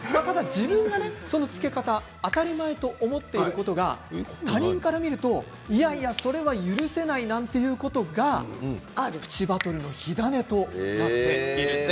自分が、そのつけ方を当たり前と思っていることが他人から見るといやいや許せないということがあるプチバトルの火種になっているんです。